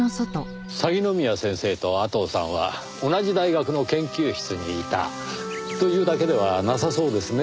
鷺宮先生と阿藤さんは同じ大学の研究室にいた。というだけではなさそうですね。